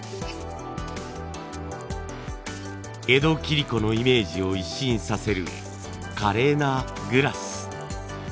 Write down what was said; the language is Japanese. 江戸切子のイメージを一新させる華麗なグラス。